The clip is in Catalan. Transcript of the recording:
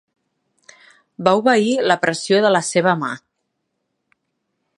Va obeir la pressió de la seva mà.